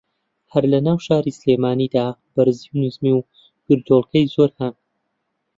ھەر لە ناو شاری سلێمانی دا بەرزی و نزمی و گردۆڵکەی زۆر ھەن